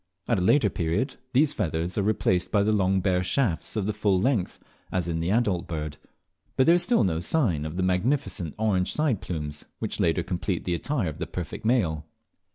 At a later period these feathers are replaced by the long bare shafts of the full length, as in the adult bird; but there is still no sign of the magnificent orange side plumes, which later still complete the attire of the perfect male.